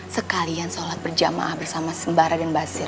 sekalian sholat berjamaah bersama sembara dan basir